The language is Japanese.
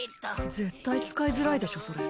絶対使いづらいでしょそれ。